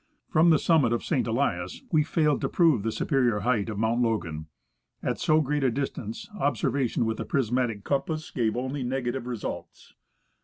From the summit of St. Elias, we failed to prove the superior height of Mount Login ; at so great a distance, observation with the prismatic com pass gave only negative results.